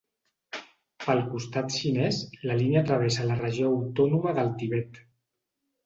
Pel costat xinès, la línia travessa la Regió Autònoma del Tibet.